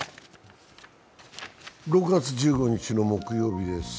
６月１５日の木曜日です。